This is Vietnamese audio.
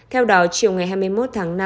theo đó chiều ngày hai mươi một tháng năm